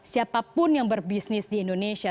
siapapun yang berbisnis di indonesia